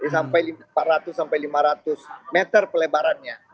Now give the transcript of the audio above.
sampai empat ratus sampai lima ratus meter pelebarannya